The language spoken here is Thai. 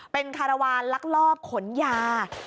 เป็นคารวาลลักลอบขนยา